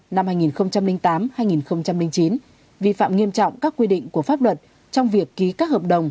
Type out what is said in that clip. năm hai nghìn tám hai nghìn chín vi phạm nghiêm trọng các quy định của pháp luật trong việc ký các hợp đồng